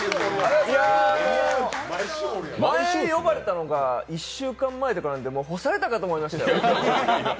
前に呼ばれたのが１週間前とかなんで、干されたかと思いましたよ。